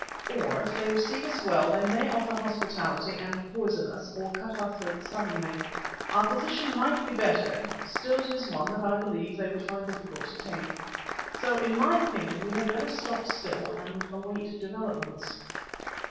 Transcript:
Or, if they receive us well, they may offer hospitality and poison us, or cut our throats suddenly. Our position might be better, still it is one that I believe they would find difficult to take. So, in my opinion, we had better stop still and await developments."